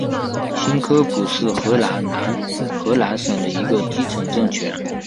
新科普是荷兰南荷兰省的一个基层政权。